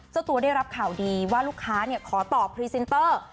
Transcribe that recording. เจ้าตัวได้รับข่าวดีว่าลูกค้าขอตอบพรีเซนเตอร์